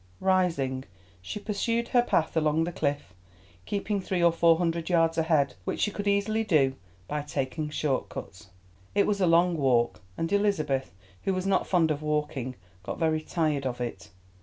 Rising, she pursued her path along the cliff, keeping three or four hundred yards ahead, which she could easily do by taking short cuts. It was a long walk, and Elizabeth, who was not fond of walking, got very tired of it.